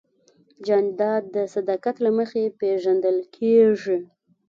جانداد د صداقت له مخې پېژندل کېږي.